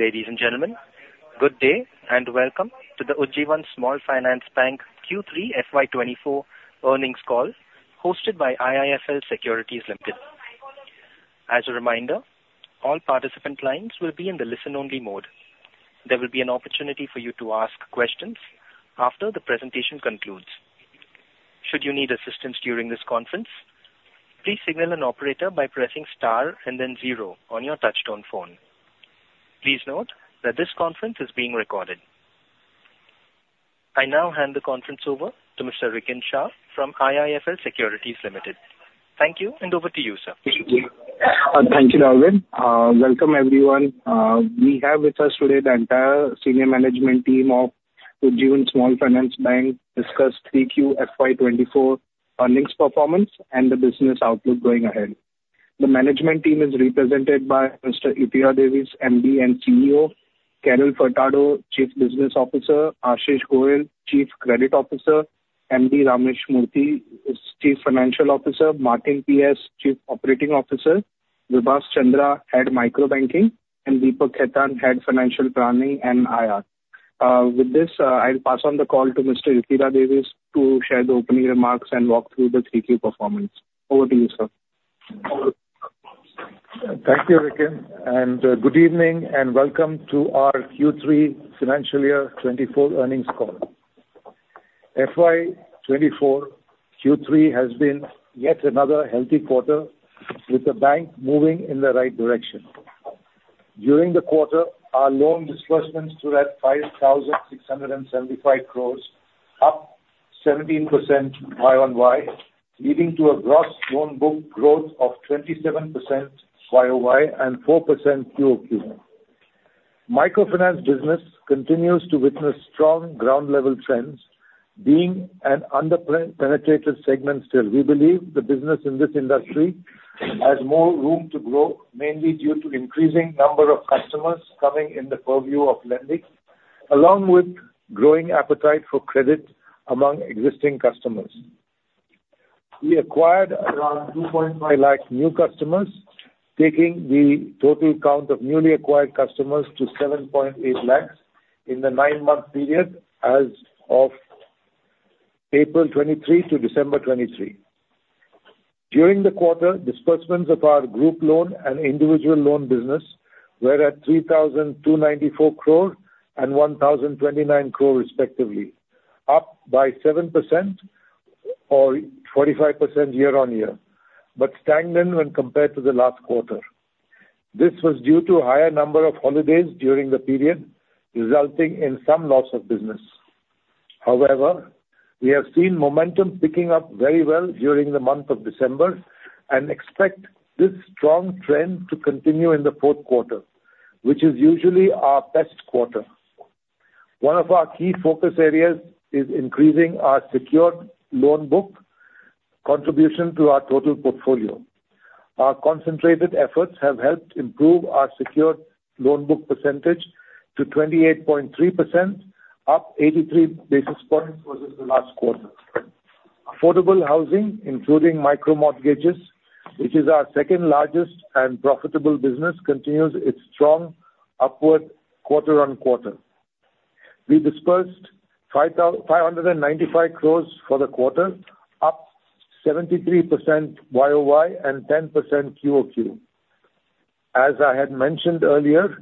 Ladies and gentlemen, good day, and welcome to the Ujjivan Small Finance Bank Q3 FY 2024 earnings call, hosted by IIFL Securities Limited. As a reminder, all participant lines will be in the listen-only mode. There will be an opportunity for you to ask questions after the presentation concludes. Should you need assistance during this conference, please signal an operator by pressing star and then zero on your touchtone phone. Please note that this conference is being recorded. I now hand the conference over to Mr. Rikin Shah from IIFL Securities Limited. Thank you, and over to you, sir. Thank you, Darwin. Welcome, everyone. We have with us today the entire senior management team of Ujjivan Small Finance Bank, discuss 3Q FY 2024 earnings performance and the business outlook going ahead. The management team is represented by Mr. Ittira Davis, MD and CEO, Carol Furtado, Chief Business Officer, Ashish Goel, Chief Credit Officer, Ramesh Murthy, Chief Financial Officer, Martin P. S., Chief Operating Officer, Vibhas Chandra, Head Micro Banking, and Deepak Khetan, Head Financial Planning and IR. With this, I will pass on the call to Mr. Ittira Davis to share the opening remarks and walk through the 3Q performance. Over to you, sir. Thank you, Rikin, and good evening and welcome to our Q3 FY 2024 earnings call. FY 2024 Q3 has been yet another healthy quarter, with the bank moving in the right direction. During the quarter, our loan disbursements were at 5,675 crore, up 17% year-on-year, leading to a gross loan book growth of 27% year-over-year and 4% quarter-over-quarter. Microfinance business continues to witness strong ground-level trends, being an underpenetrated segment still. We believe the business in this industry has more room to grow, mainly due to increasing number of customers coming in the purview of lending, along with growing appetite for credit among existing customers. We acquired around 2.5 lakh new customers, taking the total count of newly acquired customers to 7.8 lakhs in the nine-month period as of April 2023 to December 2023. During the quarter, disbursements of our group loan and individual loan business were at 3,294 crore and 1,029 crore respectively, up by 7% or 45% year-on-year, but stagnant when compared to the last quarter. This was due to higher number of holidays during the period, resulting in some loss of business. However, we have seen momentum picking up very well during the month of December and expect this strong trend to continue in the fourth quarter, which is usually our best quarter. One of our key focus areas is increasing our secured loan book contribution to our total portfolio. Our concentrated efforts have helped improve our secured loan book percentage to 28.3%, up 83 basis points versus the last quarter. Affordable housing, including micro mortgages, which is our second largest and profitable business, continues its strong upward quarter-on-quarter. We disbursed 595 crore for the quarter, up 73% YOY and 10% QOQ. As I had mentioned earlier,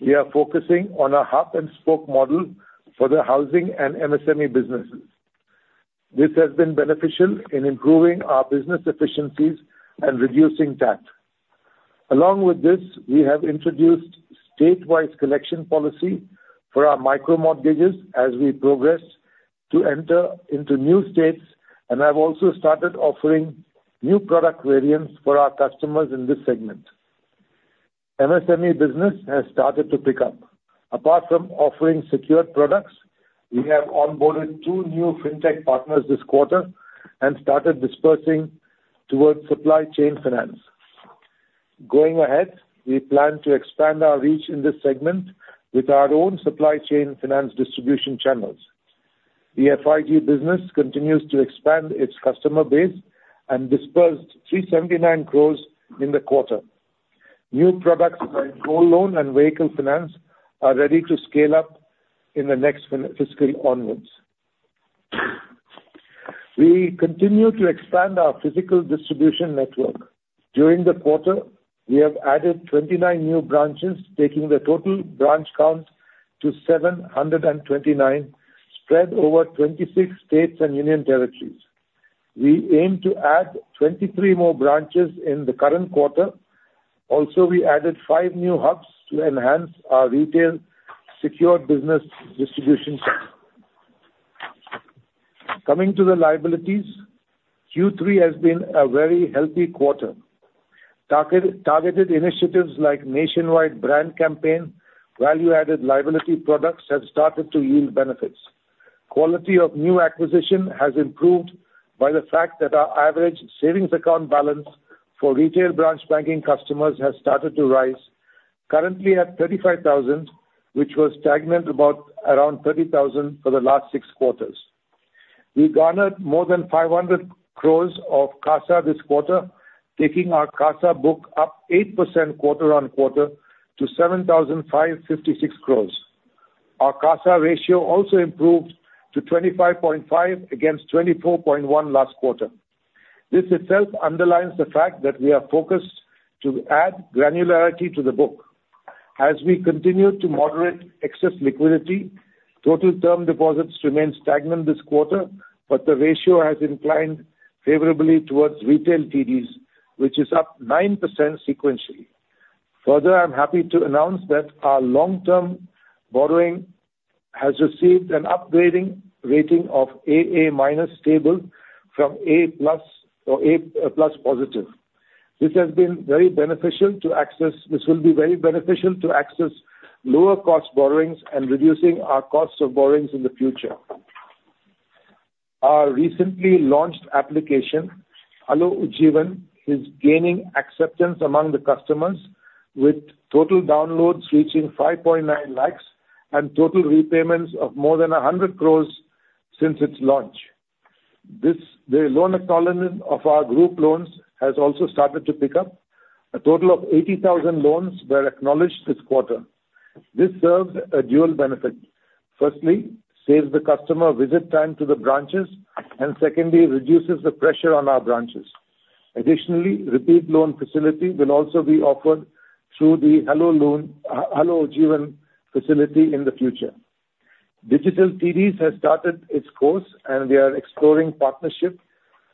we are focusing on a hub-and-spoke model for the housing and MSME businesses. This has been beneficial in improving our business efficiencies and reducing tax. Along with this, we have introduced state-wide collection policy for our micro mortgages as we progress to enter into new states and have also started offering new product variants for our customers in this segment. MSME business has started to pick up. Apart from offering secured products, we have onboarded two new fintech partners this quarter and started disbursing towards supply chain finance. Going ahead, we plan to expand our reach in this segment with our own supply chain finance distribution channels. The FIG business continues to expand its customer base and disbursed 379 crore in the quarter. New products like gold loan and vehicle finance are ready to scale up in the next fiscal onwards. We continue to expand our physical distribution network. During the quarter, we have added 29 new branches, taking the total branch count to 729, spread over 26 states and union territories. We aim to add 23 more branches in the current quarter. Also, we added five new hubs to enhance our retail secured business distribution. Coming to the liabilities, Q3 has been a very healthy quarter. Targeted initiatives like nationwide brand campaign, value-added liability products have started to yield benefits. Quality of new acquisition has improved by the fact that our average savings account balance for retail branch banking customers has started to rise, currently at 35,000, which was stagnant about around 30,000 for the last six quarters. We've garnered more than 500 crores of CASA this quarter, taking our CASA book up 8% quarter-over-quarter to 7,556 crores. Our CASA ratio also improved to 25.5 against 24.1 last quarter. This itself underlines the fact that we are focused to add granularity to the book. As we continue to moderate excess liquidity, total term deposits remain stagnant this quarter, but the ratio has inclined favorably towards retail TDs, which is up 9% sequentially. Further, I'm happy to announce that our long-term borrowing has received an upgrading rating of AA minus stable from A plus or A plus positive. This will be very beneficial to access lower cost borrowings and reducing our costs of borrowings in the future. Our recently launched application, Hello Ujjivan, is gaining acceptance among the customers, with total downloads reaching 5.9 lakh and total repayments of more than 100 crore since its launch. This, the loan acknowledgment of our group loans has also started to pick up. A total of 80,000 loans were acknowledged this quarter. This serves a dual benefit: firstly, saves the customer visit time to the branches, and secondly, reduces the pressure on our branches. Additionally, repeat loan facility will also be offered through the Hello Ujjivan facility in the future. Digital TDs has started its course, and we are exploring partnerships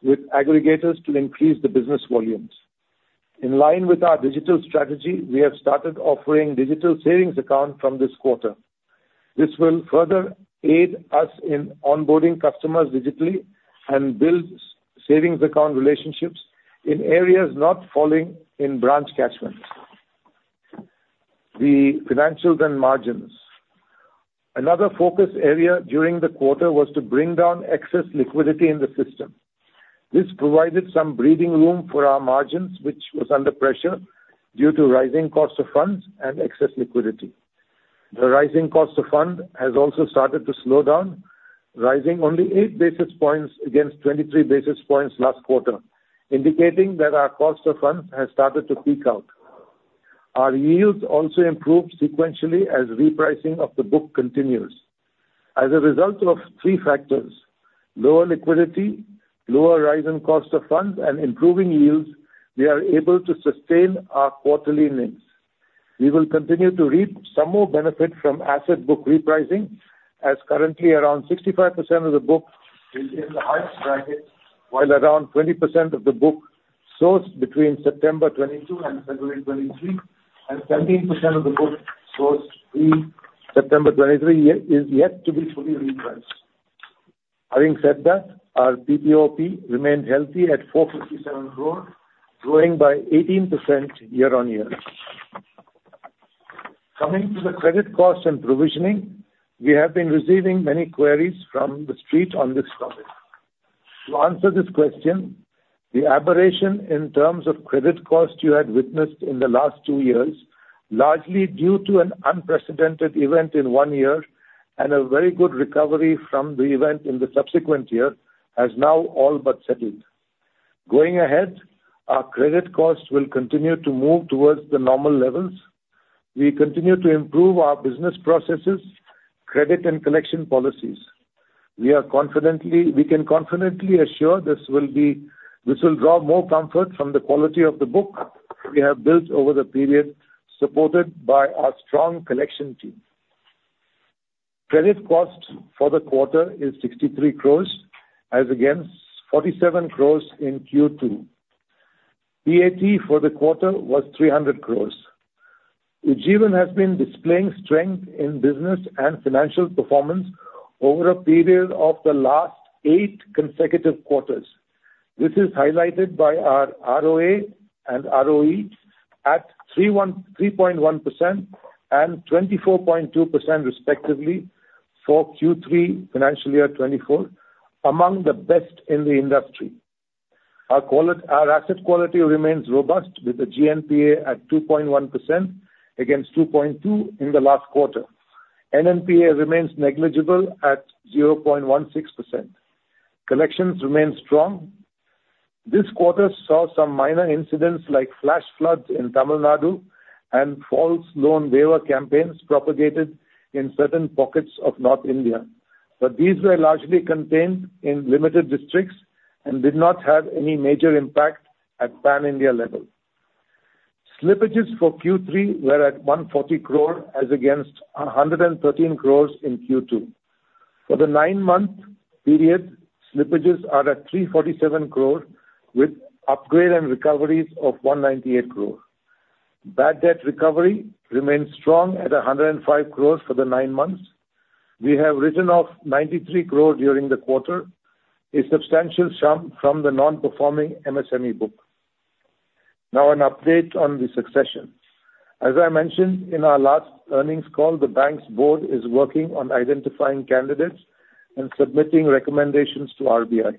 with aggregators to increase the business volumes. In line with our digital strategy, we have started offering digital savings account from this quarter. This will further aid us in onboarding customers digitally and build savings account relationships in areas not falling in branch catchments. The financials and margins. Another focus area during the quarter was to bring down excess liquidity in the system. This provided some breathing room for our margins, which was under pressure due to rising cost of funds and excess liquidity. The rising cost of fund has also started to slow down, rising only 8 basis points against 23 basis points last quarter, indicating that our cost of funds has started to peak out. Our yields also improved sequentially as repricing of the book continues. As a result of three factors, lower liquidity, lower rise in cost of funds, and improving yields, we are able to sustain our quarterly NII. We will continue to reap some more benefit from asset book repricing, as currently, around 65% of the book is in the highest bracket, while around 20% of the book sourced between September 2022 and February 2023, and 17% of the book sourced in September 2023 is yet to be fully repriced. Having said that, our PPOP remained healthy at 457 crore, growing by 18% year-on-year. Coming to the credit costs and provisioning, we have been receiving many queries from the street on this topic. To answer this question, the aberration in terms of credit cost you had witnessed in the last two years, largely due to an unprecedented event in one year and a very good recovery from the event in the subsequent year, has now all but settled. Going ahead, our credit costs will continue to move towards the normal levels. We continue to improve our business processes, credit, and collection policies. We can confidently assure this will be. This will draw more comfort from the quality of the book we have built over the period, supported by our strong collection team. Credit cost for the quarter is 63 crore, as against 47 crore in Q2. PAT for the quarter was 300 crore. Ujjivan has been displaying strength in business and financial performance over a period of the last eight consecutive quarters. This is highlighted by our ROA and ROE at 3.1% and 24.2% respectively for Q3, financial year 2024, among the best in the industry. Our asset quality remains robust, with the GNPA at 2.1% against 2.2% in the last quarter. NNPA remains negligible at 0.16%. Collections remain strong. This quarter saw some minor incidents like flash floods in Tamil Nadu and false loan waiver campaigns propagated in certain pockets of North India, but these were largely contained in limited districts and did not have any major impact at pan-India level. Slippages for Q3 were at 140 crore, as against 113 crore in Q2. For the nine-month period, slippages are at 347 crore, with upgrade and recoveries of 198 crore. Bad debt recovery remains strong at 105 crore for the nine months. We have written off 93 crore during the quarter, a substantial sum from the non-performing MSME book. Now, an update on the succession. As I mentioned in our last earnings call, the bank's board is working on identifying candidates and submitting recommendations to RBI.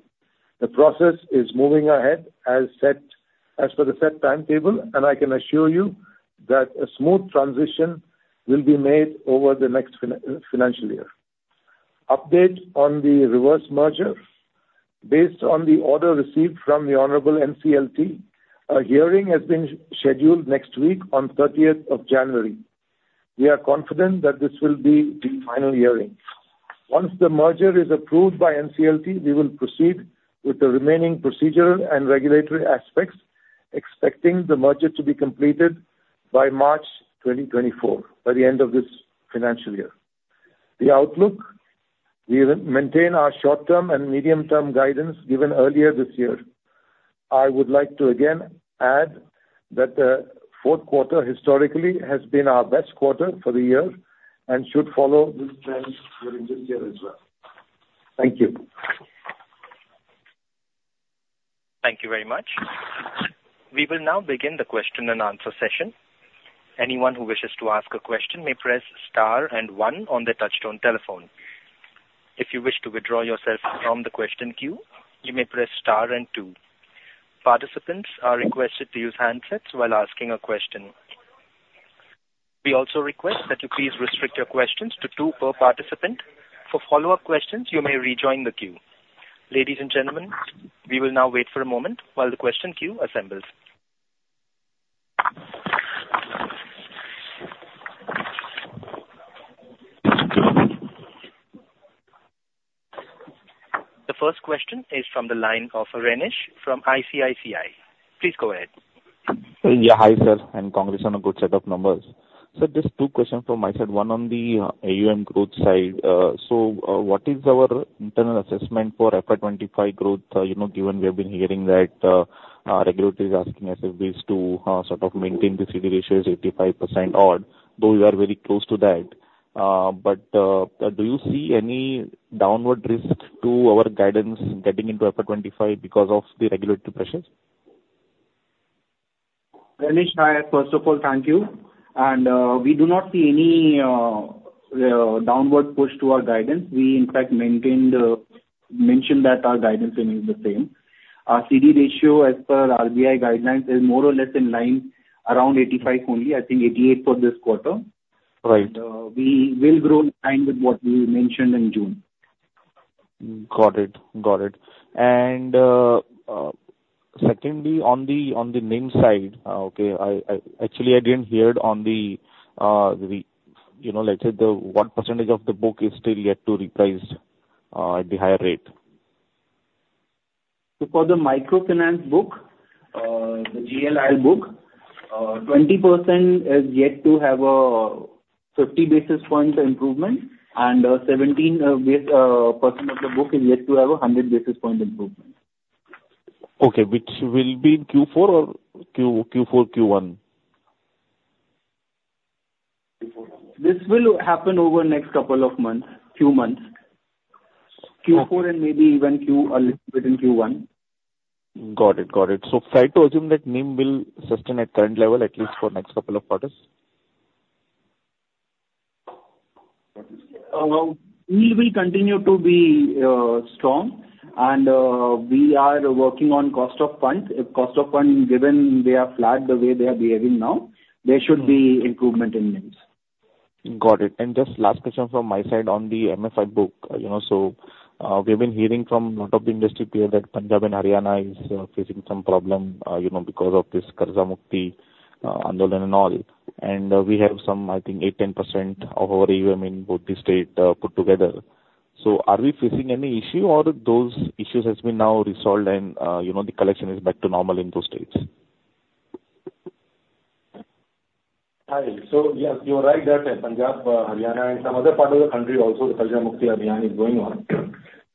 The process is moving ahead as per the set timetable, and I can assure you that a smooth transition will be made over the next financial year. Update on the reverse merger. Based on the order received from the Honorable NCLT, a hearing has been scheduled next week on thirtieth of January. We are confident that this will be the final hearing. Once the merger is approved by NCLT, we will proceed with the remaining procedural and regulatory aspects, expecting the merger to be completed by March 2024, by the end of this financial year. The outlook, we will maintain our short-term and medium-term guidance given earlier this year. I would like to again add that the fourth quarter historically has been our best quarter for the year and should follow this trend during this year as well. Thank you. Thank you very much. We will now begin the question and answer session. Anyone who wishes to ask a question may press star and one on their touchtone telephone. If you wish to withdraw yourself from the question queue, you may press star and two. Participants are requested to use handsets while asking a question. We also request that you please restrict your questions to two per participant. For follow-up questions, you may rejoin the queue. Ladies and gentlemen, we will now wait for a moment while the question queue assembles. The first question is from the line of Renish from ICICI. Please go ahead. Yeah, hi, sir, and congratulations on a good set of numbers. So just two questions from my side, one on the AUM growth side. So, what is our internal assessment for FY 2025 growth? You know, given we have been hearing that our regulatory is asking us if we is to sort of maintain the CD ratios 85% odd, though we are very close to that. But, do you see any downward risk to our guidance getting into FY 2025 because of the regulatory pressures? Renish, hi, first of all, thank you. We do not see any downward push to our guidance. We in fact maintained, mentioned that our guidance remains the same. Our CD Ratio, as per RBI guidelines, is more or less in line around 85 only, I think 88 for this quarter. Right. We will grow in line with what we mentioned in June. Got it. Got it. And, secondly, on the NIM side, okay, actually, I didn't hear on the, you know, let's say, the what percentage of the book is still yet to reprice at the higher rate? For the microfinance book, the GL book, 20% is yet to have a 50 basis points improvement, and 17% of the book is yet to have a 100 basis point improvement. Okay, which will be in Q4 or Q1? This will happen over the next couple of months, few months. Okay. Q4 and maybe even Q, a little bit in Q1. Got it. Got it. So safe to assume that NIM will sustain at current level, at least for next couple of quarters? We will continue to be strong, and we are working on cost of funds. If cost of funds, given they are flat, the way they are behaving now, there should be improvement in NIMs. Got it. And just last question from my side on the MFI book. You know, so, we've been hearing from a lot of the industry peers that Punjab and Haryana is facing some problem, you know, because of this Karza Mukti Abhiyan and all. And, we have some, I think, 8%-10% of our AUM in both the state put together. So are we facing any issue, or those issues has been now resolved and, you know, the collection is back to normal in those states? Hi. So, yes, you are right that in Punjab, Haryana and some other parts of the country also, the Karza Mukti Abhiyan is going on.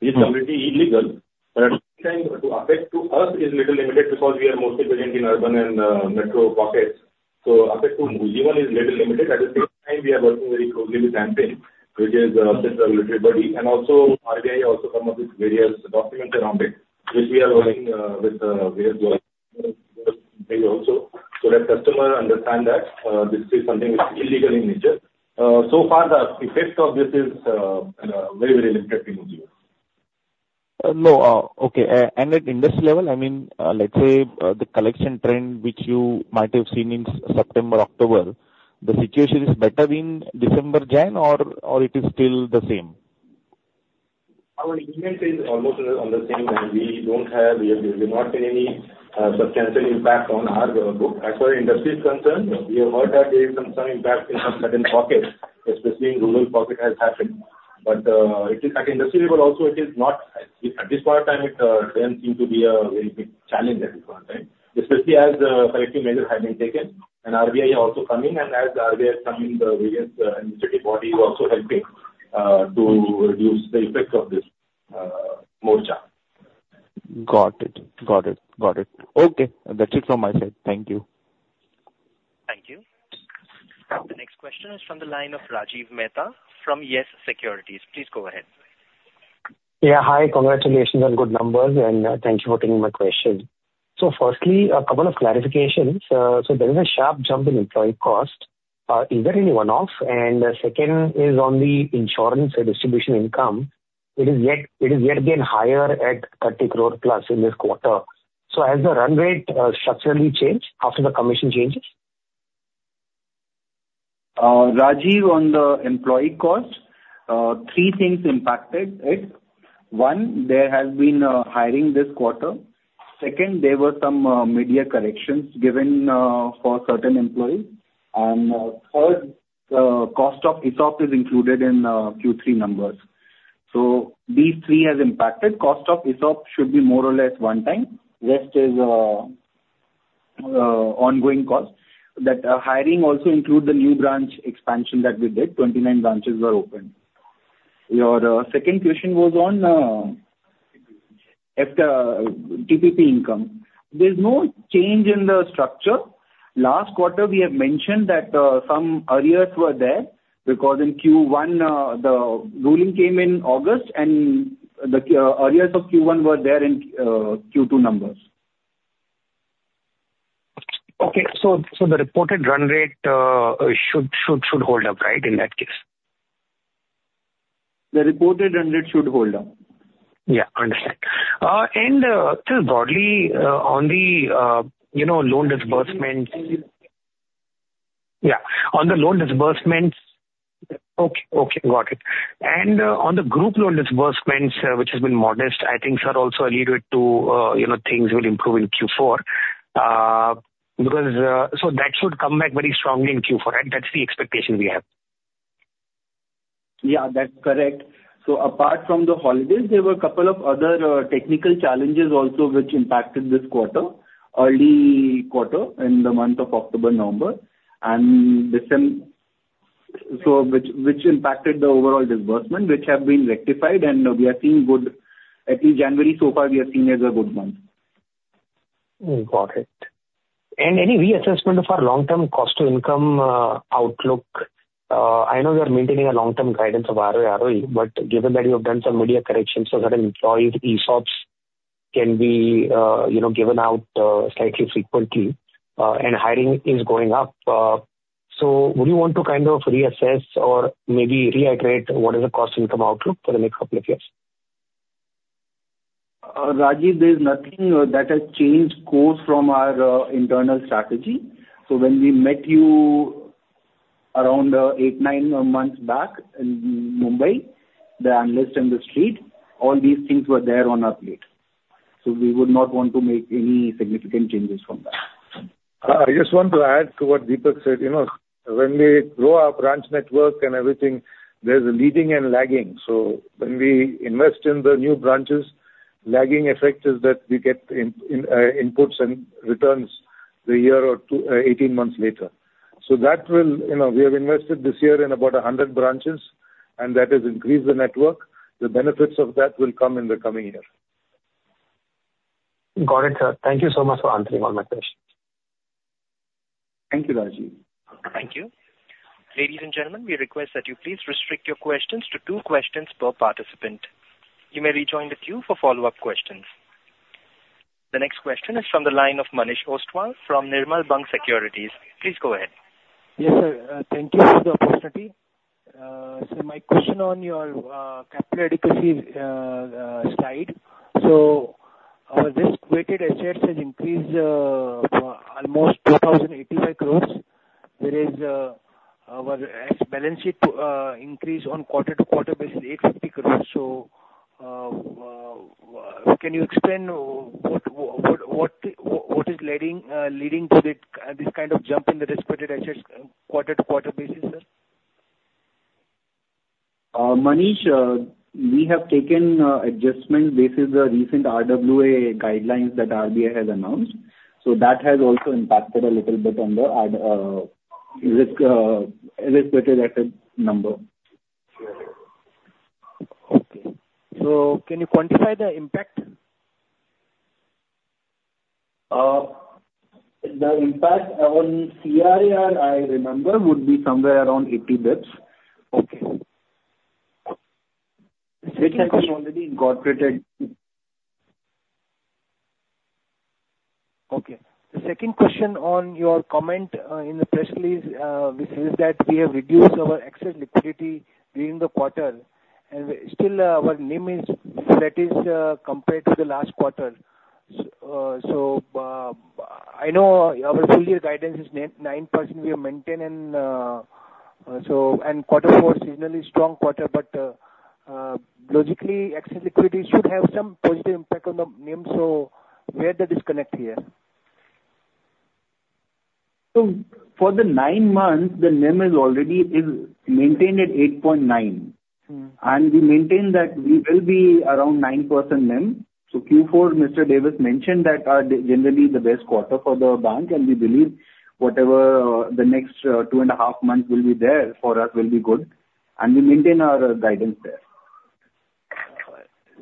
It's completely illegal, but at the same time, the effect to us is little limited because we are mostly present in urban and, metro pockets. So effect to Ujjivan is little limited. At the same time, we are working very closely with Sa-Dhan, which is, self-regulated body, and also RBI also come up with various documents around it, which we are working, with, various also, so that customer understand that, this is something which is illegal in nature. So far, the effects of this is, very, very limited in Ujjivan. No, okay, and at industry level, I mean, let's say, the collection trend which you might have seen in September, October, the situation is better in December, January, or it is still the same? Our experience is almost on the same, and we don't have, we have not seen any substantial impact on our book. As far as industry is concerned, we have heard that there is some, some impact in some certain pockets, especially in rural pocket has happened. But it is at industry level also, it is not. At this point in time, it doesn't seem to be a very big challenge at this point in time, especially as corrective measures have been taken, and RBI are also coming, and as they are coming, the various initiative bodies also helping to reduce the effects of this Morcha. Got it. Got it. Got it. Okay, that's it from my side. Thank you. Thank you. The next question is from the line of Rajiv Mehta from Yes Securities. Please go ahead. Yeah, hi. Congratulations on good numbers, and thank you for taking my question. So firstly, a couple of clarifications. So there is a sharp jump in employee cost. Is there any one-off? And second is on the insurance and distribution income. It is yet again higher at 30 crore plus in this quarter. So has the run rate structurally changed after the commission changes? Rajiv, on the employee cost, three things impacted it. One, there has been hiring this quarter. Second, there were some mid-year corrections given for certain employees. And third, the cost of ESOP is included in Q3 numbers. So these three has impacted. Cost of ESOP should be more or less one time. Rest is ongoing costs. That hiring also include the new branch expansion that we did. 29 branches were opened. Your second question was on if the TPP income. There's no change in the structure. Last quarter, we had mentioned that some arrears were there, because in Q1 the ruling came in August, and the arrears of Q1 were there in Q2 numbers. Okay. So the reported run rate should hold up, right, in that case? The reported run rate should hold up. Yeah, understand. And, just broadly, on the, you know, loan disbursements. Yeah, on the loan disbursements. Okay, okay, got it. And, on the group loan disbursements, which has been modest, I think are also alluded to, you know, things will improve in Q4. Because, so that should come back very strongly in Q4, and that's the expectation we have. Yeah, that's correct. So apart from the holidays, there were a couple of other technical challenges also which impacted this quarter, early quarter in the month of October, November. And so which impacted the overall disbursement, which have been rectified, and we are seeing good. At least January, so far, we are seeing as a good month. Got it. And any reassessment of our long-term cost to income outlook? I know you are maintaining a long-term guidance of ROE, ROE, but given that you have done some media corrections, so that employees, ESOPs, can be, you know, given out slightly frequently, and hiring is going up. So would you want to kind of reassess or maybe reiterate what is the cost income outlook for the next couple of years? Rajiv, there's nothing that has changed course from our internal strategy. So when we met you around eight to nine months back in Mumbai, the analysts on the street, all these things were there on our plate. So we would not want to make any significant changes from that. I just want to add to what Deepak said. You know, when we grow our branch network and everything, there's a leading and lagging. So when we invest in the new branches, lagging effect is that we get inputs and returns a year or two, 18 months later. So that will. You know, we have invested this year in about 100 branches, and that has increased the network. The benefits of that will come in the coming year. Got it, sir. Thank you so much for answering all my questions. Thank you, Rajiv. Thank you. Ladies and gentlemen, we request that you please restrict your questions to two questions per participant. You may rejoin the queue for follow-up questions. The next question is from the line of Manish Ostwal from Nirmal Bang Securities. Please go ahead. Yes, sir, thank you for the opportunity. My question on your capital adequacy slide. This risk-weighted assets has increased almost 2,085 crores. There is our balance sheet increase on quarter-over-quarter basis, 850 crores. Can you explain what is leading to this kind of jump in the risk-weighted assets quarter-over-quarter basis, sir? Manish, we have taken adjustments based on the recent RWA guidelines that RBI has announced. So that has also impacted a little bit on the risk-weighted asset number. Okay. So can you quantify the impact? The impact on CRAR, I remember, would be somewhere around 80 basis. Okay. Which has been already incorporated. Okay. The second question on your comment in the press release, which is that we have reduced our excess liquidity during the quarter, and still, our NIM is, that is, compared to the last quarter. So, I know our full year guidance is 9.9% we are maintaining, so, and quarter four, seasonally strong quarter, but, logically, excess liquidity should have some positive impact on the NIM. So where's the disconnect here? For the nine months, the NIM is already maintained at 8.9%.We maintain that we will be around 9% NIM. So Q4, Mr. Davis mentioned that generally the best quarter for the bank, and we believe whatever, the next two and a half months will be there for us will be good, and we maintain our guidance there.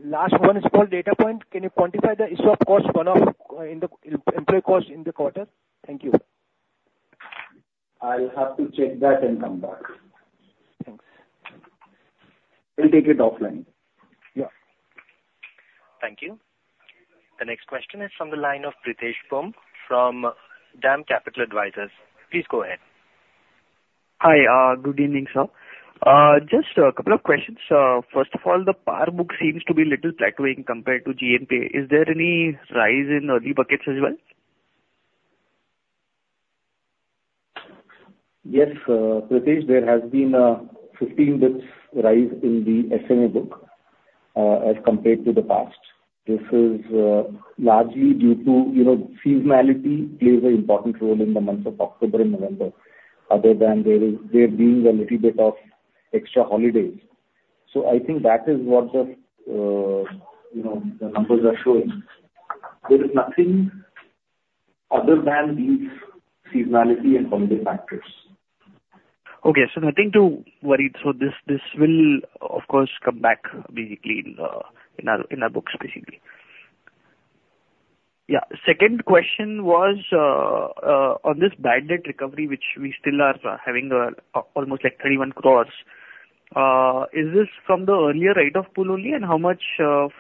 Last one is for data point. Can you quantify the issue of cost, one-off, in the employee cost in the quarter? Thank you. I'll have to check that and come back. We'll take it offline. Yeah. Thank you. The next question is from the line of Pritesh Bumb, from DAM Capital Advisors. Please go ahead. Hi, good evening, sir. Just a couple of questions. First of all, the PAR book seems to be little plateauing compared to GNPA. Is there any rise in early buckets as well? Yes, Pritesh, there has been a 15 bps rise in the SMA book, as compared to the past. This is, largely due to, you know, seasonality plays an important role in the months of October and November, other than there being a little bit of extra holidays. So I think that is what the, you know, the numbers are showing. There is nothing other than the seasonality and funding factors. Okay. So nothing to worry. So this, this will of course come back basically in, in our, in our books, basically. Yeah. Second question was on this bad debt recovery, which we still are having, almost like 31 crore. Is this from the earlier write-off pool only, and how much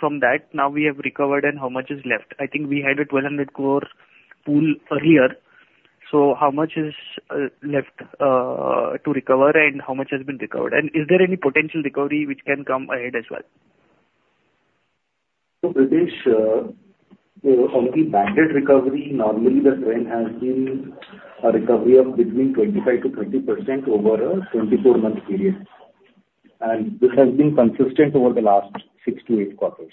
from that now we have recovered, and how much is left? I think we had an 1,200 crore pool a year ago. So how much is left to recover and how much has been recovered? And is there any potential recovery which can come ahead as well? So, Pritesh, on the bad debt recovery, normally the trend has been a recovery of between 25%-30% over a 24-month period, and this has been consistent over the last 6-8 quarters.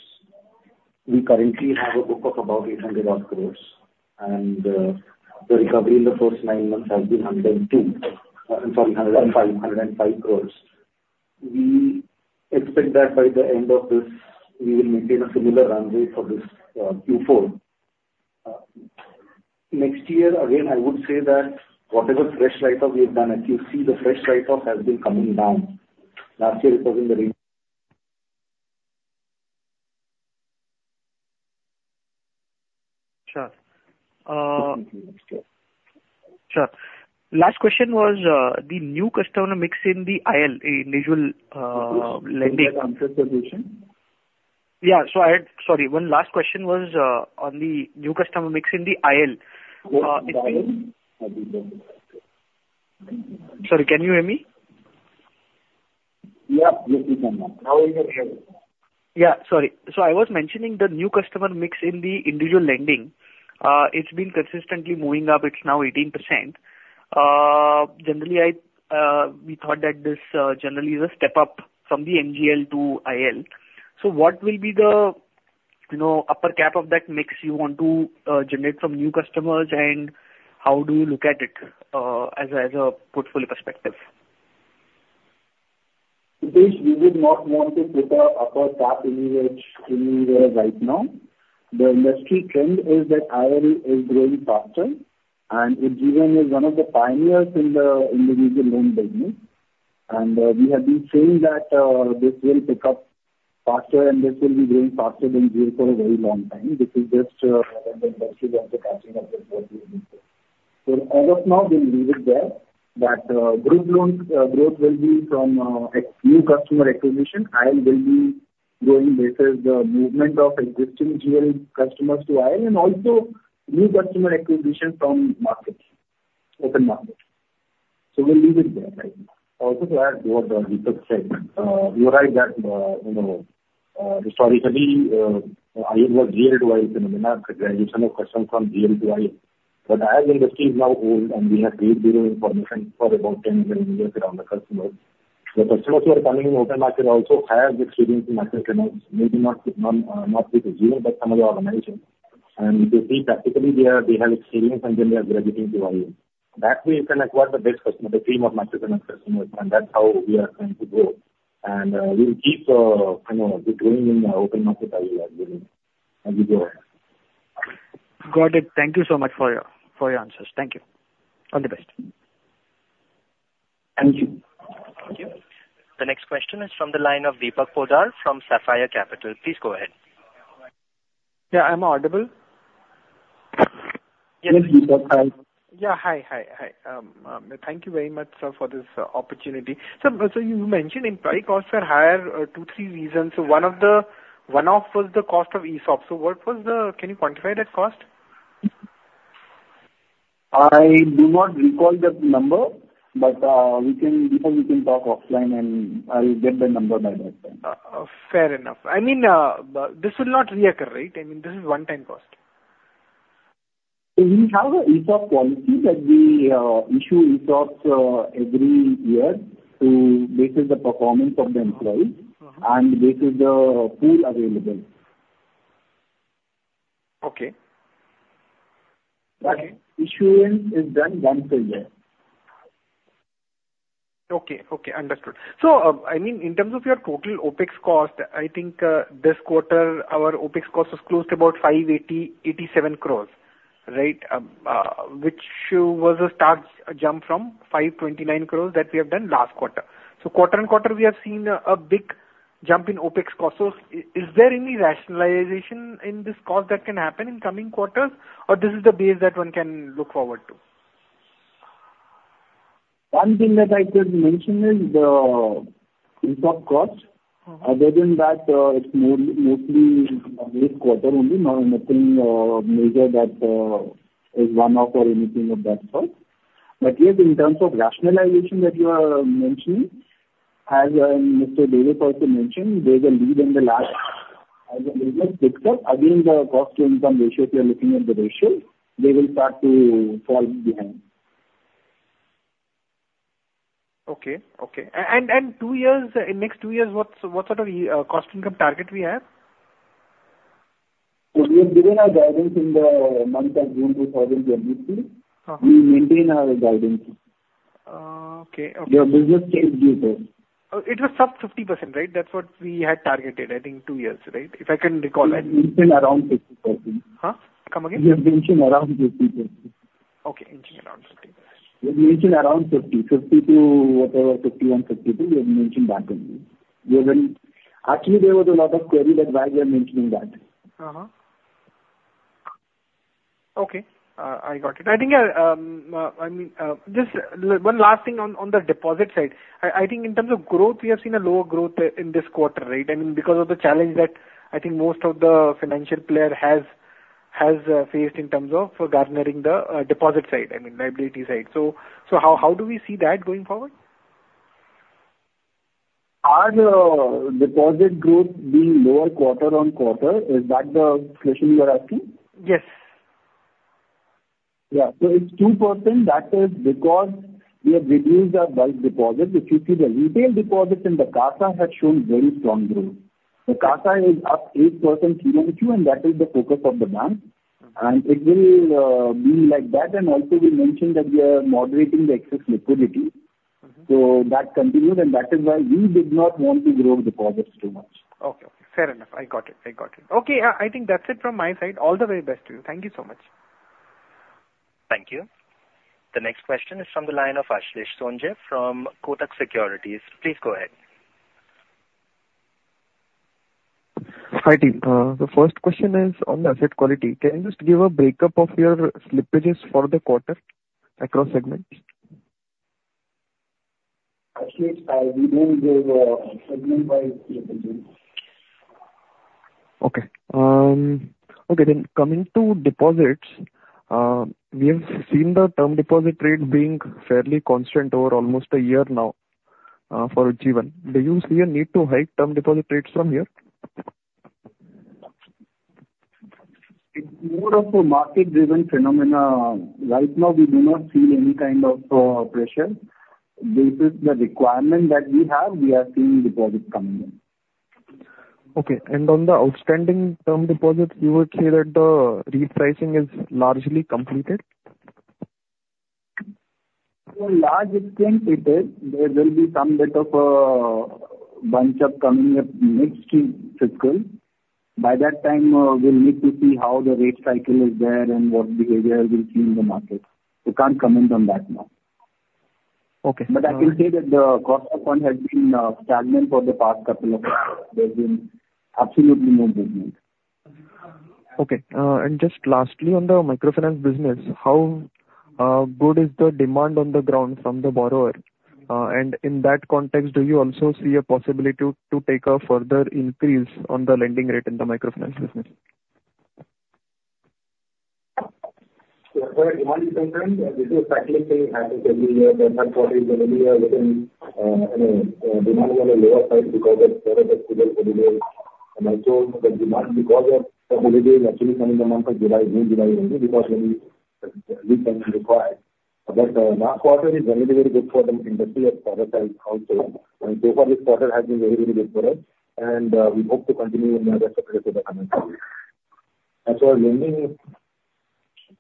We currently have a book of about 800-odd crore, and the recovery in the first nine months has been 102, sorry, 105, 105 crores. We expect that by the end of this, we will maintain a similar runway for this Q4. Next year, again, I would say that whatever fresh write-off we have done, as you see, the fresh write-off has been coming down. Last year it was in the range- Sure. Sure. Last question was, the new customer mix in the IL, individual, lending. Answered the question. Yeah. So I had. Sorry, one last question was on the new customer mix in the IL. The IL? Sorry, can you hear me? Yeah. Yes, we can now. Now we can hear you. Yeah, sorry. So I was mentioning the new customer mix in the individual lending. It's been consistently moving up. It's now 18%. Generally, I, we thought that this generally is a step up from the GL to IL. So what will be the, you know, upper cap of that mix you want to generate from new customers, and how do you look at it as a portfolio perspective? Pritesh, we would not want to put an upper cap anywhere, anywhere right now. The industry trend is that IL is growing faster, and Ujjivan is one of the pioneers in the individual loan business. And, we have been saying that, this will pick up faster and this will be growing faster than GL Also to add to what Deepak said, you're right that, you know, sorry, for the IL or GL to IL, I mean, not the graduation of customers from GL to IL, but the IL industry is now old, and we have great deal of information for about 10, 11 years around the customer. The customers who are coming in open market also have experience in microfinance, maybe not, not with Ujjivan, but some other organization. And we see practically they have experience, and then they are graduating to IL. That way, you can acquire the best customer, the cream of microfinance customers, and that's how we are trying to grow. And we will keep, you know, deploying in the open market as we go ahead. Got it. Thank you so much for your, for your answers. Thank you. All the best. Thank you. Thank you. The next question is from the line of Deepak Poddar from Sapphire Capital. Please go ahead. Yeah, I'm audible? Yes, Deepak. Hi. Yeah. Hi. Hi. Hi. Thank you very much, sir, for this opportunity. Sir, so you mentioned employee costs are higher, two, three reasons. So one of the one-off was the cost of ESOPs. So what was the. Can you quantify that cost? I do not recall that number, but we can talk offline and I'll get the number by that time. Fair enough. I mean, this will not reoccur, right? I mean, this is one-time cost. We have a ESOP policy that we, issue ESOPs, every year to base the performance of the employee and this is the pool available. Okay. Okay. Issuance is done once a year. Okay. Okay, understood. So, I mean, in terms of your total OpEx cost, I think, this quarter, our OpEx cost is close to about 587 crores, right? Which was a stark jump from 529 crores that we have done last quarter. So quarter and quarter, we have seen a big jump in OpEx costs. So is there any rationalization in this cost that can happen in coming quarters, or this is the base that one can look forward to? One thing that I can mention is the income cost. Other than that, it's mostly this quarter only, nor nothing major that is one-off or anything of that sort. But yes, in terms of rationalization that you are mentioning, as Mr. Davis also mentioned, there's a lead in the lag. As the business picks up, again, the cost-to-income ratio, if you are looking at the ratio, they will start to fall behind. Okay. Okay. And in next two years, what sort of cost-income target we have? We have given our guidance in the month of June 2022. We maintain our guidance. Okay. Okay. Your business is good. It was sub 50%, right? That's what we had targeted, I think two years, right? If I can recall right. We mentioned around 50%. Huh? Come again. We have mentioned around 50%. Okay, mentioned around 50%. We mentioned around 50, 50 to whatever, 50 and 52, we have mentioned that only. We have been. Actually, there was a lot of query that why we are mentioning that. Uh-huh. Okay, I got it. I think, I mean, just one last thing on the deposit side. I think in terms of growth, we have seen a lower growth in this quarter, right? I mean, because of the challenge that I think most of the financial player has faced in terms of garnering the deposit side, I mean, liability side. So how do we see that going forward? Our deposit growth being lower quarter-on-quarter, is that the question you are asking? Yes. Yeah. So it's 2%. That is because we have reduced our bulk deposit. If you see the retail deposit and the CASA has shown very strong growth. The CASA is up 8% Q2, and that is the focus of the bank. It will be like that, and also we mentioned that we are moderating the excess liquidity. So that continues, and that is why we did not want to grow deposits too much. Okay, fair enough. I got it. I got it. Okay, I think that's it from my side. All the very best to you. Thank you so much. Thank you. The next question is from the line of Ashlesh Sonje from Kotak Securities. Please go ahead. Hi, team. The first question is on the asset quality. Can you just give a break-up of your slippages for the quarter across segments? Actually, we don't give, segment-wise slippages. Okay. Okay, then coming to deposits, we have seen the term deposit rate being fairly constant over almost a year now, for Ujjivan. Do you see a need to hike term deposit rates from here? It's more of a market-driven phenomena. Right now, we do not see any kind of pressure. Based on the requirement that we have, we are seeing deposits coming in. Okay. And on the outstanding term deposits, you would say that the repricing is largely completed? Largely completed. There will be some bit of a bunch of coming up next fiscal. By that time, we'll need to see how the rate cycle is there and what behavior will see in the market. We can't comment on that now. Okay. I can say that the cost of fund has been stagnant for the past couple of quarters. There's been absolutely no movement. Okay. And just lastly, on the microfinance business, how good is the demand on the ground from the borrower? And in that context, do you also see a possibility to take a further increase on the lending rate in the microfinance business? as far as the demand is concerned, and this is exactly the same as every year. Last quarter is going to be within, you know, demand is on the lower side because of festival holidays. And also, the demand because of holidays actually coming the month of July, mid-July only, because then we then require. But, last quarter is very, very good for the industry as far as IL also. And so far, this quarter has been very, very good for us, and we hope to continue in the rest of the coming quarters. As far as lending is,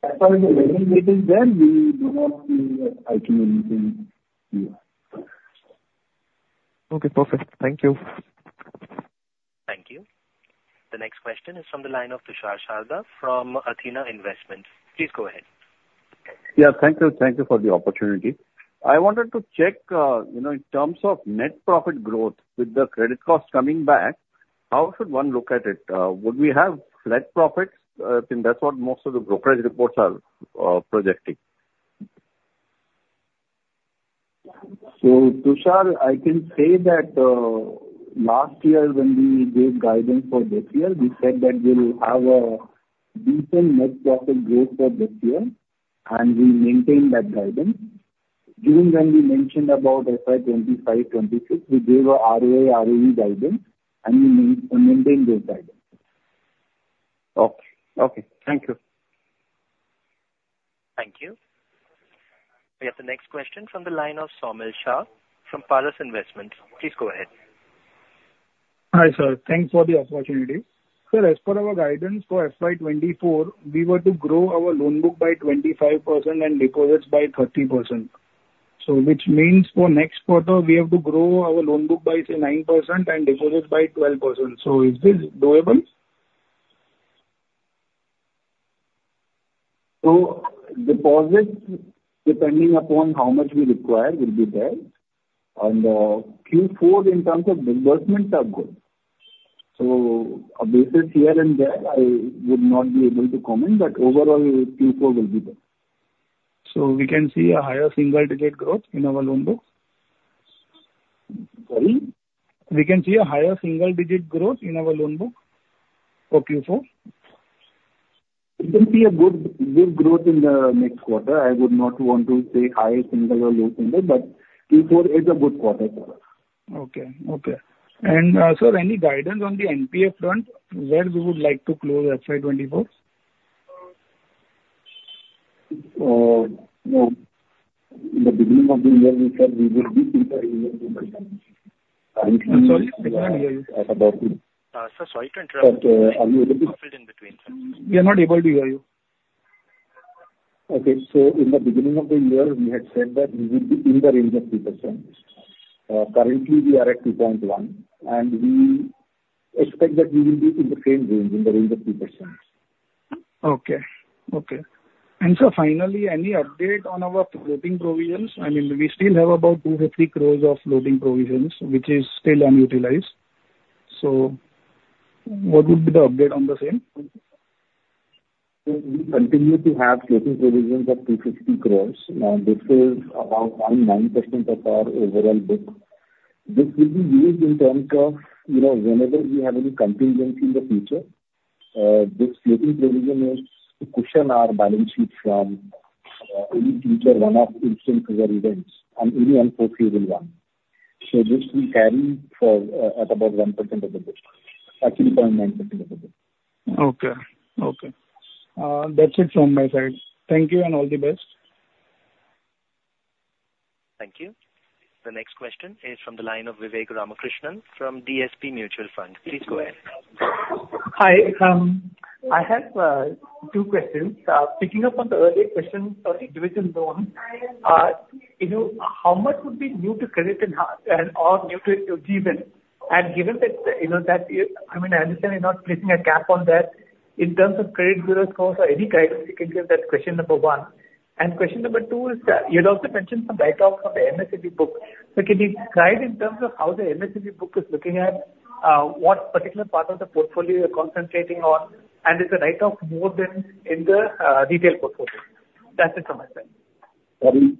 as far as the lending rate is concerned, we do not see a hike in anything this year. Okay, perfect. Thank you. Thank you. The next question is from the line of Tushar Sarda from Athena Investments. Please go ahead. Yeah, thank you. Thank you for the opportunity. I wanted to check, you know, in terms of net profit growth, with the credit cost coming back, how should one look at it? Would we have flat profits? I think that's what most of the brokerage reports are projecting. So, Tushar, I can say that, last year, when we gave guidance for this year, we said that we'll have a decent net profit growth for this year, and we maintain that guidance. During when we mentioned about FY 2025, 2026, we gave a ROA, ROE guidance, and we maintain this guidance. Okay. Okay, thank you. Thank you. We have the next question from the line of Saumil Shah from Paras Investments. Please go ahead. Hi, sir. Thanks for the opportunity. Sir, as per our guidance for FY 2024, we were to grow our loan book by 25% and deposits by 30%. So which means for next quarter, we have to grow our loan book by, say, 9% and deposits by 12%. So is this doable? So deposits, depending upon how much we require, will be there. On the Q4, in terms of disbursements are good. So a basis here and there, I would not be able to comment, but overall, Q4 will be better. So we can see a higher single digit growth in our loan book? Sorry? We can see a higher single digit growth in our loan book for Q4? It will be a good, good growth in the next quarter. I would not want to say high single or low single, but Q4 is a good quarter for us. Okay. Okay. And, sir, any guidance on the NPA front, where we would like to close FY 2024? You know, in the beginning of the year, we said we will be in the range of 3%. I'm sorry, we can't hear you. At about- Sir, sorry to interrupt. But, are you able to- You are in between, sir. We are not able to hear you. Okay, so in the beginning of the year, we had said that we would be in the range of 3%. Currently, we are at 2.1%, and we expect that we will be in the same range, in the range of 3%. Okay. Okay. And sir, finally, any update on our floating provisions? I mean, we still have about 2 crore-3 crore of floating provisions, which is still unutilized. So what would be the update on the same? We continue to have floating provisions of 250 crore. Now, this is about 1.9% of our overall book. This will be used in terms of, you know, whenever we have any contingency in the future. This floating provision is to cushion our balance sheet from, any future one-off incidents or events and any unforeseen one. So this we carry for, at about 1% of the book, at 2.9% of the book. Okay. Okay. That's it from my side. Thank you, and all the best. Thank you. The next question is from the line of Vivek Ramakrishnan from DSP Mutual Fund. Please go ahead. Hi. I have two questions. Picking up on the earlier question on individual loans, you know, how much would be new to credit and or new to Ujjivan? And given that, you know, that is. I mean, I understand you're not placing a cap on that. In terms of credit bureau scores or any guidance you can give, that's question number one. And question number two is, you'd also mentioned some write-off of the MSME book. So can you guide in terms of how the MSME book is looking at what particular part of the portfolio you're concentrating on, and is the write-off more than in the retail portfolio? That's it from my side. Sorry?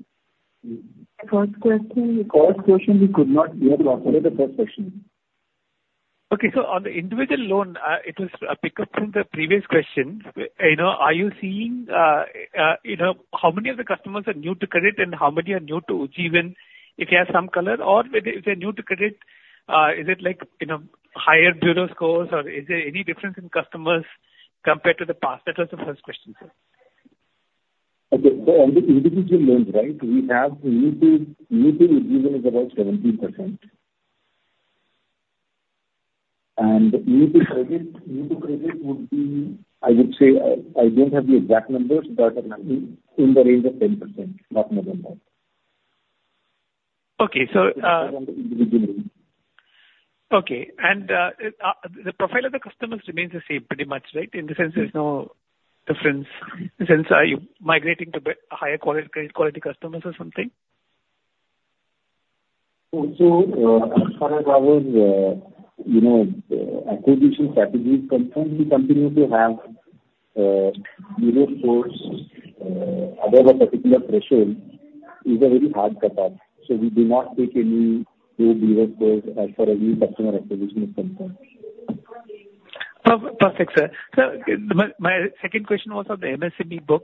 First question. The first question we could not hear. Repeat the first question. Okay, so on the individual loan, it was a pickup from the previous question. You know, are you seeing, you know, how many of the customers are new to credit and how many are new to Ujjivan? If you have some color or if they, if they're new to credit, is it like, you know, higher bureau scores, or is there any difference in customers compared to the past? That was the first question, sir. Okay. So on the individual loans, right, we have new to, new to Ujjivan is about 17%. And new to credit, new to credit would be, I would say, I don't have the exact numbers, but, in, in the range of 10%, not more than that. Okay, so, On the Individual Loans. Okay. And, the profile of the customers remains the same, pretty much, right? In the sense, there's no difference, in the sense, are you migrating to the higher quality, quality customers or something? So, as far as our, you know, acquisition strategy is concerned, we continue to have bureau scores above a particular threshold, is a very hard cutoff, so we do not take any new bureau scores as per any customer acquisition is concerned. Perfect, sir. So my second question was on the MSME book.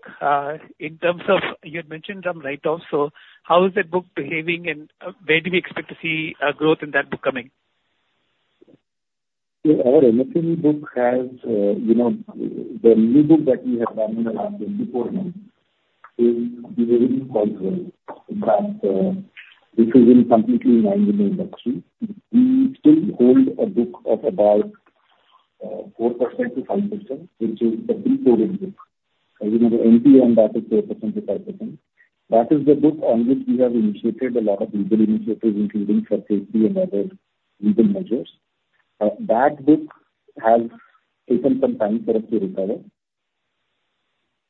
In terms of, you had mentioned some write-offs, so how is that book behaving, and where do we expect to see a growth in that book coming? Our MSME book has, you know, the new book that we have done in the last 24 months is doing quite well. In fact, this is in complete line with the industry. We still hold a book of about 4%-5%, which is the pre-COVID book. You know, the NPA on that is 4%-5%. That is the book on which we have initiated a lot of legal initiatives, including for SARFAESI and other legal measures. That book has taken some time for us to recover.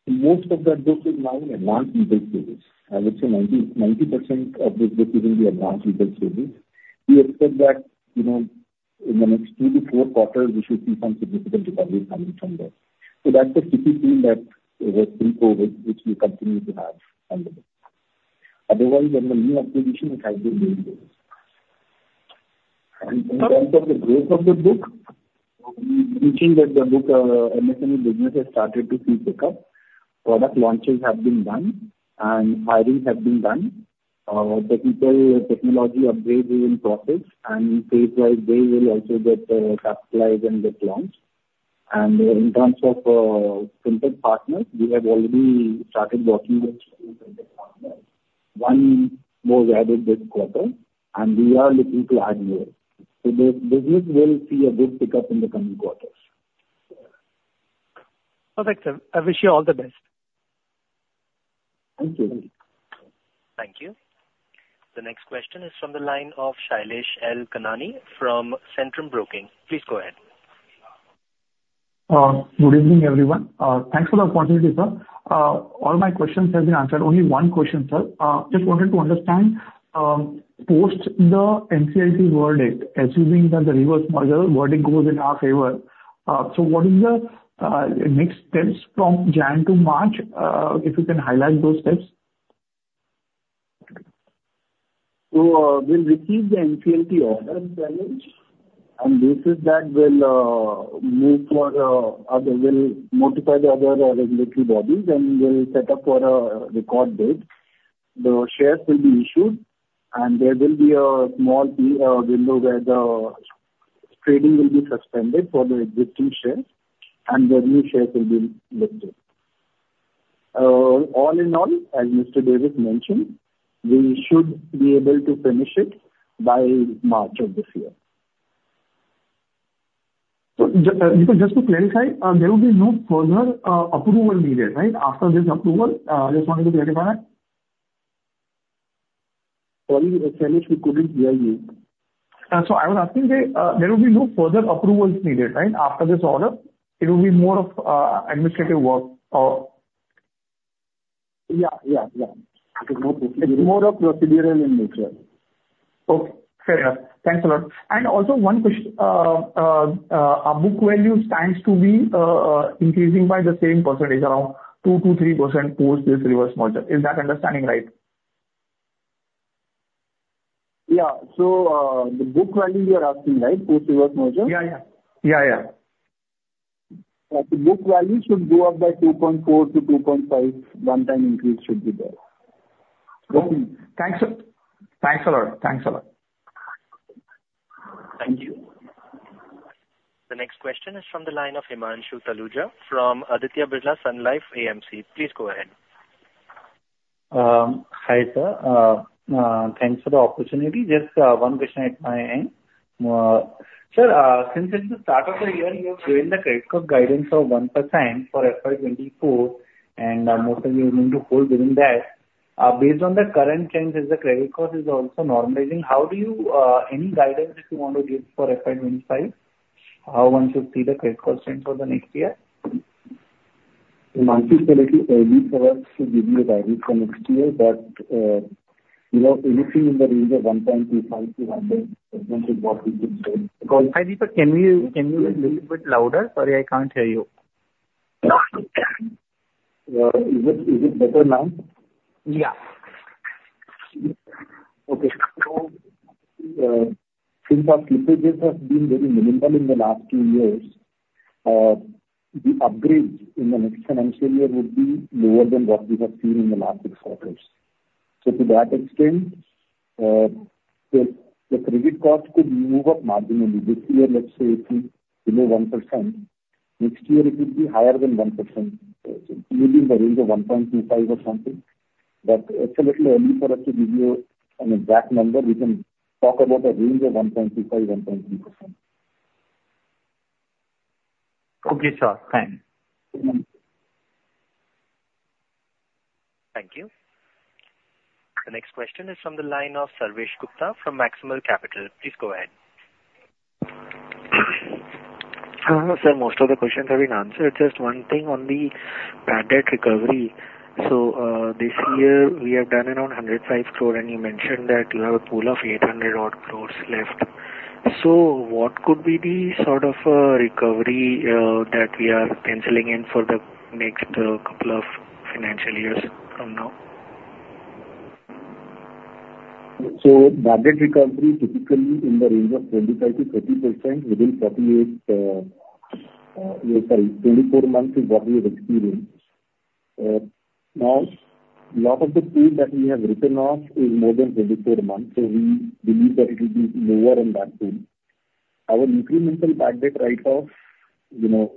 Most of that book is now in advanced legal stages. I would say 90% of this book is in the advanced legal stages. We expect that, you know, in the next two to four quarters, we should see some significant recovery coming from there. So that's the tricky thing that was in COVID, which we continue to have on the book. Otherwise, on the new acquisition, it has been very good. And in terms of the growth of the book, we've seen that the book, MSME business has started to see pick-up. Product launches have been done, and hirings have been done. The people, technology upgrade is in process, and phase wise, they will also get, capitalized and get launched. And in terms of, FinTech partners, we have already started working with FinTech partners. One more added this quarter, and we are looking to add more. So the business will see a good pick-up in the coming quarters. Perfect, sir. I wish you all the best. Thank you. Thank you. The next question is from the line of Shailesh L. Kanani from Centrum Broking. Please go ahead. Good evening, everyone. Thanks for the opportunity, sir. All my questions have been answered. Only one question, sir. Just wanted to understand, post the NCLT verdict, assuming that the reverse merger verdict goes in our favor, so what is the next steps from January to March? If you can highlight those steps. So, we'll receive the NCLT order first, and basis that we'll move for, or we'll notify the other regulatory bodies, and we'll set up for a record date. The shares will be issued, and there will be a small fee window, where the trading will be suspended for the existing shares, and the new shares will be listed. All in all, as Mr. Davis mentioned, we should be able to finish it by March of this year. Just to clarify, there will be no further approval needed, right? After this approval, just wanted to clarify. Sorry, I couldn't hear you. So I was asking that there will be no further approvals needed, right, after this order? It will be more of administrative work or- Yeah, yeah, yeah. It's more of- It's more of procedural in nature. Okay, fair enough. Thanks a lot. And also, our book value stands to be increasing by the same percentage, around 2%-3%, post this reverse merger. Is that understanding right? Yeah. So, the book value you are asking, right, post reverse merger? Yeah, yeah. Yeah, yeah. The book value should go up by 2.4-2.5. One time increase should be there. Okay. Thanks, sir. Thanks a lot. Thanks a lot. Thank you. The next question is from the line of Himanshu Taluja from Aditya Birla Sun Life AMC. Please go ahead. Hi, sir. Thanks for the opportunity. Just one question at my end. Sir, since it's the start of the year, you have given the credit cost guidance of 1% for FY 2024, and mostly you're going to hold within that. Based on the current trends, as the credit cost is also normalizing, how do you. Any guidance that you want to give for FY 2025? How one should see the credit cost trend for the next year? Himanshu, it's a little early for us to give you a guidance for next year, but, you know, anything in the range of 1.25%-1% is what we would say. Sorry, but can you, can you be a little bit louder? Sorry, I can't hear you. Is it better now? Yeah. Okay. So, since our slippages have been very minimal in the last two years, the upgrades in the next financial year would be lower than what we have seen in the last six quarters. So to that extent, the credit cost could move up marginally. This year, let's say it was below 1%, next year it will be higher than 1%, so maybe in the range of 1.25 or something. But it's a little early for us to give you an exact number. We can talk about a range of 1.25-1.3%. Okay, sir. Thanks. Thank you. The next question is from the line of Sarvesh Gupta from Maximal Capital. Please go ahead. Sir, most of the questions have been answered. Just one thing on the bad debt recovery. So, this year we have done around 105 crore, and you mentioned that you have a pool of 800-odd crore left. So what could be the sort of, recovery, that we are penciling in for the next, couple of financial years from now? So bad debt recovery, typically in the range of 25%-30% within 24 months is what we have experienced. Now, lot of the pool that we have written off is more than 24 months, so we believe that it will be lower on that pool. Our incremental bad debt write-off, you know,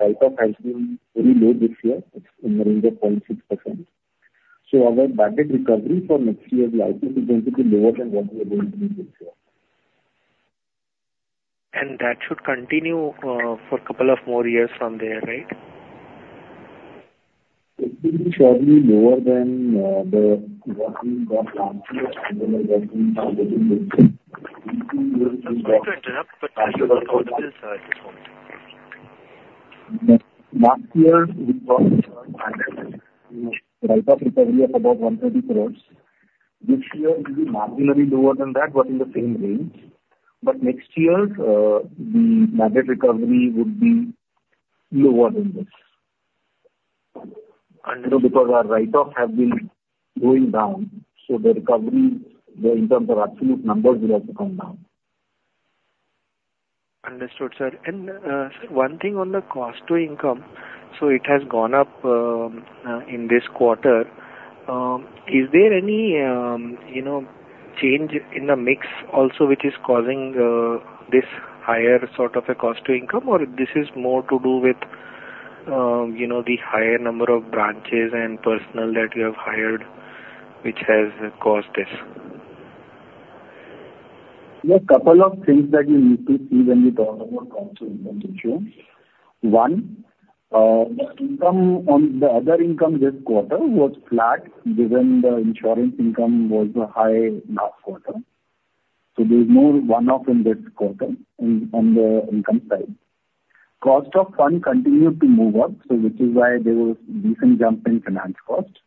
write-off has been very low this year. It's in the range of 0.6%. So our bad debt recovery for next year is likely to be basically lower than what we are going to do this year. That should continue for a couple of more years from there, right? It will be surely lower than what we got last year. Sorry to interrupt, but can you repeat, sir, this point? Last year, we got, bad debt, you know, write-off recovery of about 130 crore. This year it will be marginally lower than that, but in the same range. But next year, the bad debt recovery would be lower than this. And, you know, because our write-off have been going down, so the recovery, in terms of absolute numbers, will have to come down. Understood, sir. And, sir, one thing on the cost to income. So it has gone up in this quarter. Is there any, you know, change in the mix also, which is causing this higher sort of a cost to income, or this is more to do with, you know, the higher number of branches and personnel that you have hired, which has caused this? There are a couple of things that you need to see when you talk about cost to income ratio. One, the income on the other income this quarter was flat, given the insurance income was high last quarter. So there is no one-off in this quarter on, on the income side. Cost of funds continued to move up, so which is why there was a decent jump in finance cost.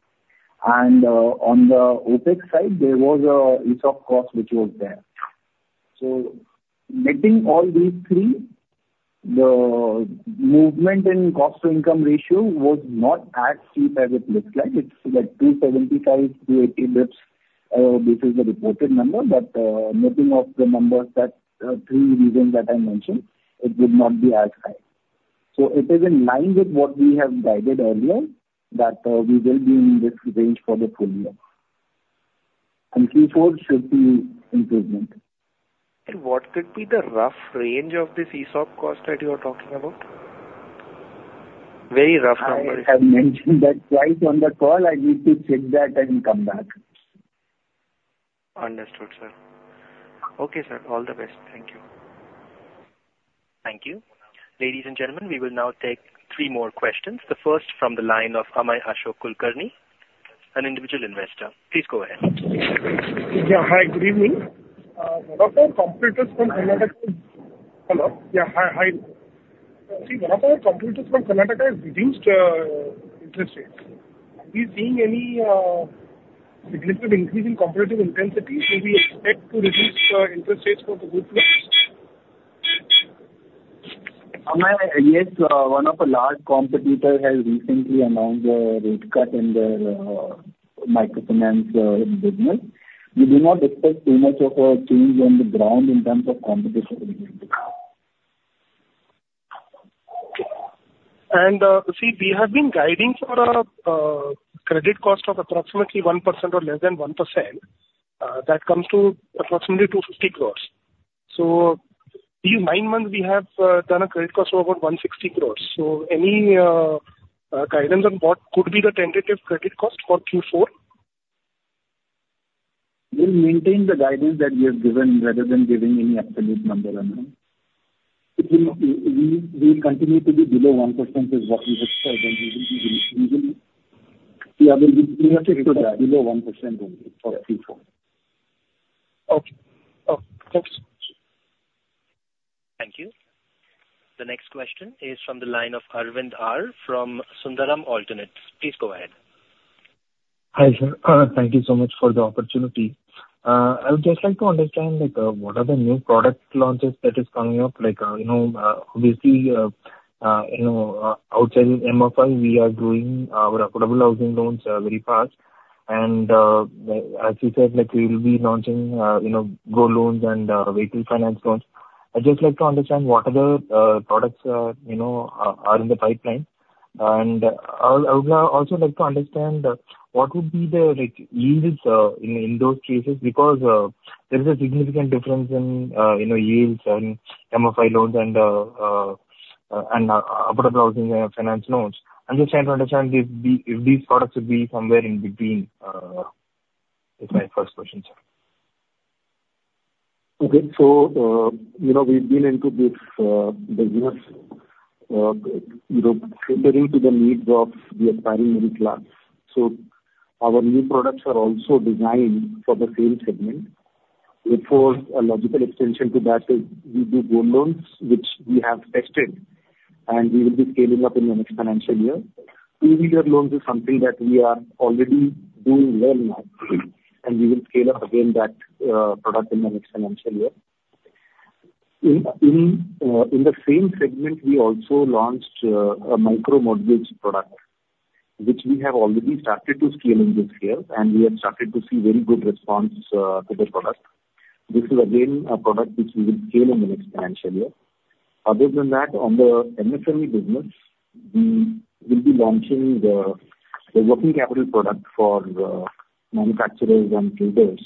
And, on the OpEx side, there was an ESOP cost which was there. So netting all these three, the movement in cost to income ratio was not as steep as it looks like. It's like 275-280 basis points, this is the reported number. But, mapping of the numbers, that, three reasons that I mentioned, it would not be as high. It is in line with what we have guided earlier, that we will be in this range for the full year. Q4 should be improvement. What could be the rough range of this ESOP cost that you are talking about? Very rough number. I have mentioned that twice on the call. I need to check that and come back. Understood, sir. Okay, sir. All the best. Thank you. Thank you. Ladies and gentlemen, we will now take three more questions, the first from the line of Amay Ashok Kulkarni, an individual investor. Please go ahead. Yeah. Hi, good evening. One of our competitors from Karnataka. Hello? Yeah. Hi, hi. See, one of our competitors from Karnataka has reduced interest rates. Are we seeing any significant increase in competitive intensity? Do we expect to reduce interest rates for the Gold Loans? Amay, yes, one of a large competitor has recently announced a rate cut in their microfinance business. We do not expect too much of a change on the ground in terms of competition in India. And, see, we have been guiding for a credit cost of approximately 1% or less than 1%. That comes to approximately 250 crores. So these nine months, we have done a credit cost of about 160 crores. So any guidance on what could be the tentative credit cost for Q4? We'll maintain the guidance that we have given rather than giving any absolute number, Amay. We continue to be below 1% is what we have said, and we will be below 1% only for Q4. Okay. Thanks. Thank you. The next question is from the line of Arvind R from Sundaram Alternates. Please go ahead. Hi, sir. Thank you so much for the opportunity. I would just like to understand, like, what are the new product launches that is coming up? Like, you know, obviously, you know, outside MFI, we are doing our affordable housing loans very fast. And, as you said, like, we will be launching, you know, gold loans and vehicle finance loans. I'd just like to understand what other products, you know, are in the pipeline. And I would also like to understand what would be the, like, yields in those cases, because there is a significant difference in, you know, yields and MFI loans and affordable housing finance loans. I'm just trying to understand if these products would be somewhere in between. That's my first question, sir. Okay. So, you know, we've been into this business, you know, catering to the needs of the aspiring middle class. So our new products are also designed for the same segment. Therefore, a logical extension to that is we do gold loans, which we have tested, and we will be scaling up in the next financial year. Two-wheeler loans is something that we are already doing well now, and we will scale up again that product in the next financial year. In the same segment, we also launched a micro mortgage product, which we have already started to scale in this year, and we have started to see very good response to the product. This is again a product which we will scale in the next financial year. Other than that, on the MSME business, we will be launching the working capital product for manufacturers and traders.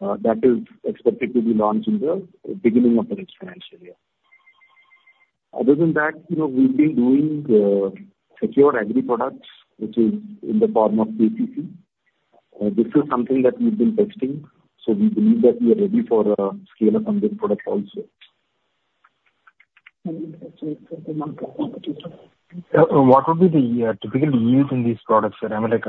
That is expected to be launched in the beginning of the next financial year. Other than that, you know, we've been doing secure agri products, which is in the form of KPC. This is something that we've been testing, so we believe that we are ready for scale up on this product also. What would be the typical yields in these products, sir? I mean, like,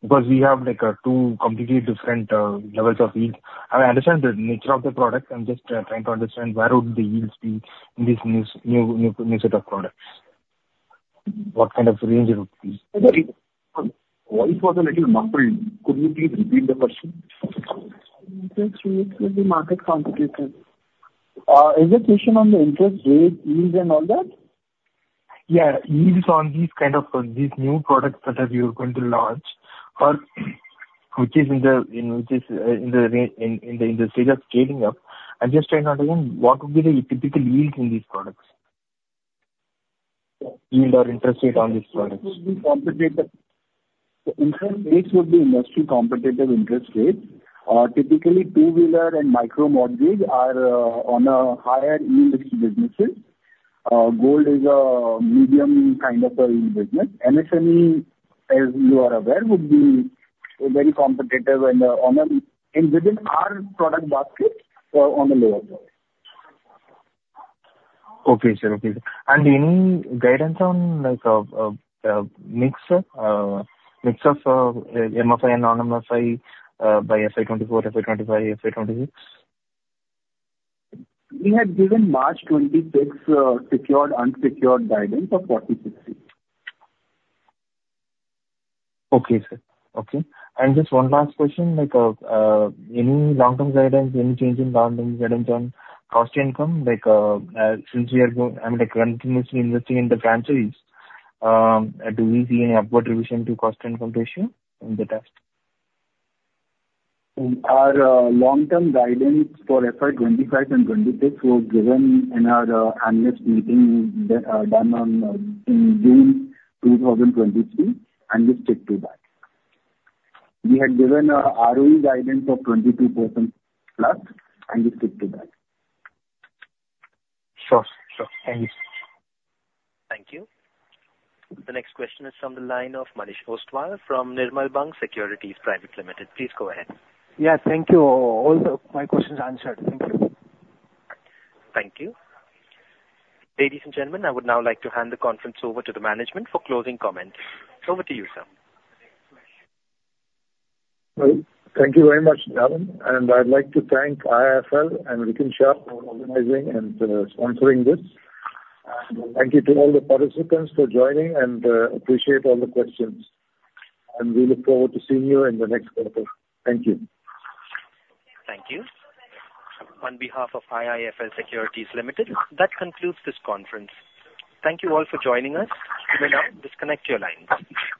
because we have, like, two completely different levels of yield. I understand the nature of the product. I'm just trying to understand where would the yields be in this new, new, new set of products. What kind of range it would be? Sorry, voice was a little muffled. Could you please repeat the question? The market competition. Is the question on the interest rates, yields and all that? Yeah, yields on these kind of these new products that you're going to launch or which is in the stage of scaling up. I'm just trying to understand, what would be the typical yields in these products? Yield or interest rate on these products. It would be competitive. The interest rates would be industry competitive interest rates. Typically, two-wheeler and micro mortgages are on a higher yield business. Gold is a medium kind of a investment. MSME, as you are aware, would be very competitive and within our product basket, on the lower side. Okay, sir. Okay. And any guidance on, like, mix of MFI and non-MFI by FY 2024, FY 2025, FY26? We had given March 26th, secured, unsecured guidance of 40/60. Okay, sir. Okay. Just one last question, like, any long-term guidance, any change in long-term guidance on cost to income? Like, since we are grow- I mean, like, continuously investing in the franchises, do we see any upward revision to cost to income ratio in the test? Our long-term guidance for FY 2025 and 2026 were given in our annual meeting, done in June 2022, and we stick to that. We had given a ROE guidance of 22% plus, and we stick to that. Sure, sure. Thank you. Thank you. The next question is from the line of Manish Ostwal from Nirmal Bang Securities Private Limited. Please go ahead. Yeah, thank you. My question is answered. Thank you. Thank you. Ladies and gentlemen, I would now like to hand the conference over to the management for closing comments. Over to you, sir. Well, thank you very much, Gavin, and I'd like to thank IIFL and Rikin Shah for organizing and, sponsoring this. And thank you to all the participants for joining, and appreciate all the questions. And we look forward to seeing you in the next quarter. Thank you. Thank you. On behalf of IIFL Securities Limited, that concludes this conference. Thank you all for joining us. You may now disconnect your lines.